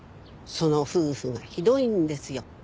その夫婦がひどいんですよ。